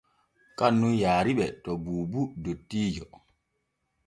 Kan nun yaariɓe to Buubu dottiijo.